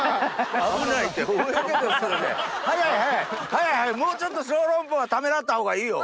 早い早いもうちょっと小籠包はためらった方がいいよ。